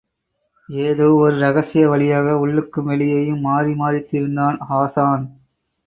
ஏதோ ஒர் இரகசிய வழியாக உள்ளுக்கும் வெளியேயும் மாறி மாறித்திரிந்தான் ஹாஸான்.